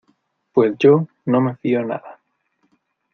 Pues yo, no me fío nada.